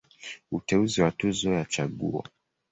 Uteuzi wa Tuzo ya Chaguo.